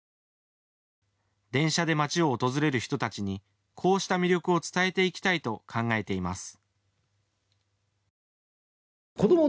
電車で町を訪れる人たちにこうした魅力を伝えていきたいと考えています。